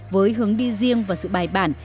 với hướng đi riêng và sự bài bản